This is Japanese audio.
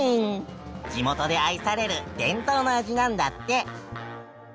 地元で愛される伝統の味なんだって。